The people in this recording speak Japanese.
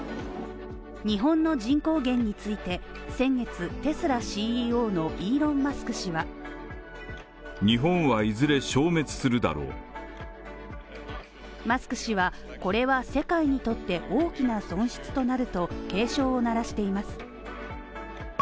日本の人口減について先月、テスラＣＥＯのイーロン・マスク氏はマスク氏はこれは世界にとって大きな損失となると警鐘を鳴らしています。